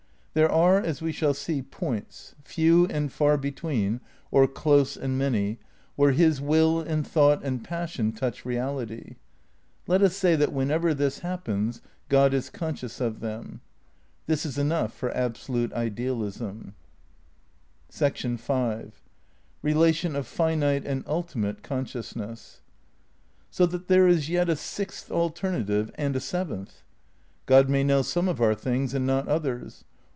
There are, as we shall see, points — few and far between, or close and many — where his will and thought and pas sion touch reality. Let us say that whenever this hap pens God is conscious of them. This is enough for Absolute Idealism. So that there is yet a sixth alternative and a seventh. God may know some of our things and not others.